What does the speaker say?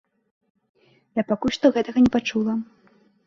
Я пакуль што гэтага не пачула.